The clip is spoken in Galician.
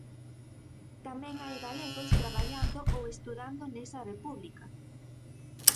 Tamén hai galegos traballando ou estudando nesa república.